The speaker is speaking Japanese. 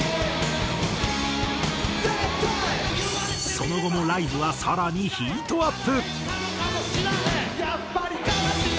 その後もライブは更にヒートアップ！